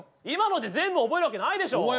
今ので全部覚えるわけないでしょ。